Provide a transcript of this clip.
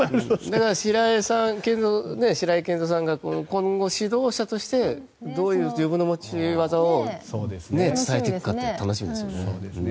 白井健三さんが今後、指導者としてどういう自分の持ち技を伝えていくか楽しみですね。